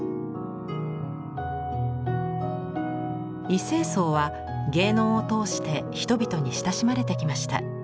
異性装は芸能を通して人々に親しまれてきました。